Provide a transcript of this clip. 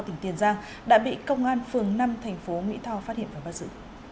tỉnh tiền giang đã bị công an phường năm tp mỹ tho phát hiện và bắt giữ